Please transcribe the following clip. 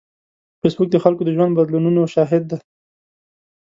فېسبوک د خلکو د ژوند بدلونونو شاهد دی